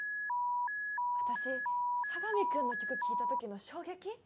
私佐神くんの曲聴いた時の衝撃？